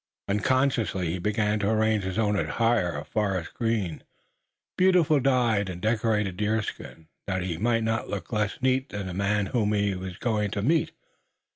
Unconsciously he began to arrange his own attire of forest green, beautifully dyed and decorated deerskin, that he might not look less neat than the man whom he was going to meet.